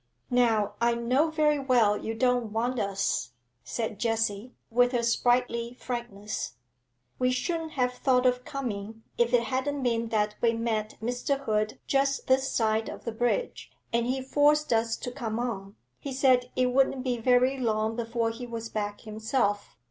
'Now, I know very well you don't want us,' said Jessie, with her sprightly frankness. 'We shouldn't have thought of coming if it hadn't been that we met Mr. Hood just this side of the bridge, and he forced us to come on; he said it wouldn't be very long before he was back himself.